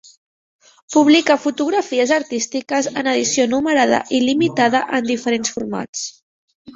Publica fotografies artístiques en edició numerada i limitada en diferents formats.